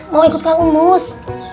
mau ikut kang mus